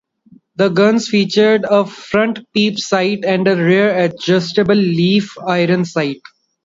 The guns featured a front peep sight and a rear adjustable leaf iron sight.